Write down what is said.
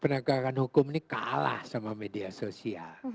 penegakan hukum ini kalah sama media sosial